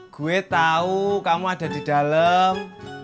gue tahu kamu ada di dalam